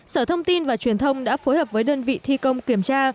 sở thông tin và truyền thông đã phối hợp với đơn vị thi công kiểm tra